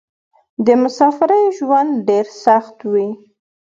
د مسافرۍ ژوند ډېر سخت وې.